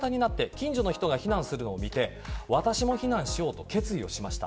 近所の人が避難するのを見て私も避難しようと決意しました